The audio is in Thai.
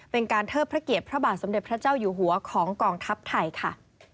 เป็นการเทิดพระเกียรติพระบาทสมเด็จพระเจ้าอยู่หัวของกองทัพไทยค่ะ